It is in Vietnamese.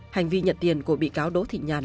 hành vi nhận tiền của bị cáo đỗ thị nhàn